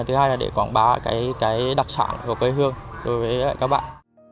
thứ hai là để quảng bá cái đặc sản của quê hương đối với các bạn